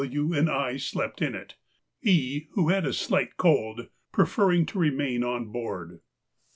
W., and I slept in it, E., who had a slight cold, preferring to remain on board.